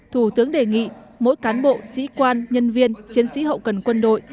thủ tướng đề nghị mỗi cán bộ sĩ quan nhân viên chiến sĩ hậu cần quân đội